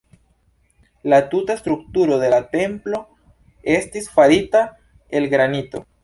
La tuta strukturo de la templo estis farita el granito.